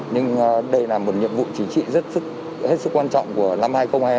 nhưng đây là một nhiệm vụ chính trị rất quan trọng của năm hai nghìn hai mươi hai